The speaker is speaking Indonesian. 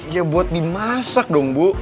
ya buat dimasak dong bu